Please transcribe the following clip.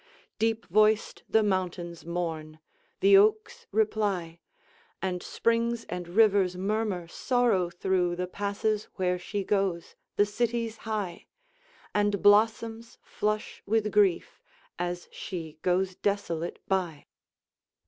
Deep voiced the mountains mourn; the oaks reply; And springs and rivers murmur sorrow through The passes where she goes, the cities high; And blossoms flush with grief as she goes desolate by.